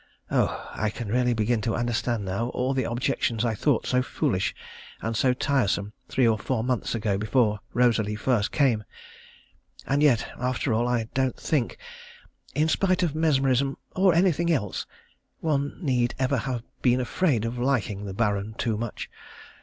Ugh! I can really begin to understand now all the objections I thought so foolish and so tiresome three or four months ago, before Rosalie first came. And yet, after all, I don't think in spite of mesmerism or anything else one need ever have been afraid of liking the Baron too much.